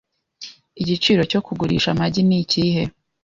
Igiciro cyo kugurisha amagi ni ikihe?